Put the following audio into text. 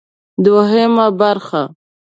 دوهمه برخه: